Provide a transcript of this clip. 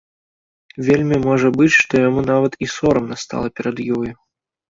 Вельмі можа быць, што яму нават і сорамна стала перад ёю.